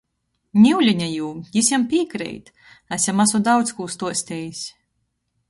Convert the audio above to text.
Niulinejū, jis jam pīkreit. Es jam asu daudz kū stuostejs.